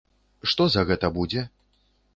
Што за гэта будзе?